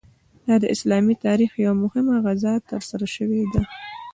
دا د اسلامي تاریخ یوه مهمه غزا ترسره شوې ده.